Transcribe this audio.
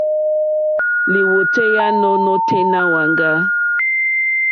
Lìwòtéyá nù nôténá wàŋgá.